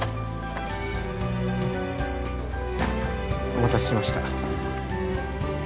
お待たせしました。